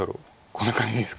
こんな感じですか。